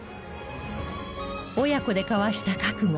親子で交わした覚悟。